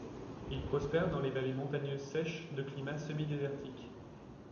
Ils prospèrent dans les vallées montagneuses sèches de climat semi-désertique.